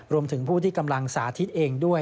รวมถึงผู้ที่กำลังสาธิตเองด้วย